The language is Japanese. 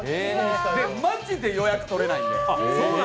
マジで予約取れないんで。